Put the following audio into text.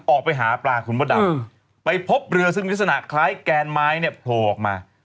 ออกไปหาปลาคุณพระดำไปพบเรือซึ่งลักษณะคล้ายแกนไม้เนี่ยโผล่ออกมา